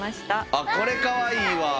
あこれかわいいわ。